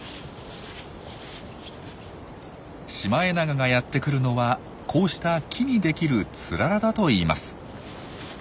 シマエナガがやってくるのはこうした木にできるツララだといいます。